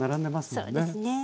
そうですね。